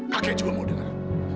kakek juga mau dengar